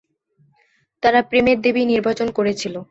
তারা "প্রেমের দেবী" নির্বাচন করেছিল।